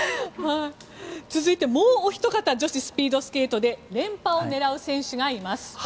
続いて、もうお一方女子スピードスケート連覇を狙う選手がいます。